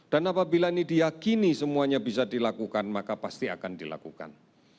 dan apabila ini diakini semuanya bisa dilakukan maka pasti akan dilakukan